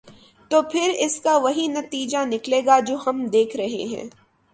تو پھر اس کا وہی نتیجہ نکلے گا جو ہم دیکھ رہے ہیں۔